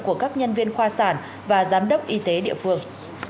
của các nhân viên khoa sản và giám đốc y tế địa phương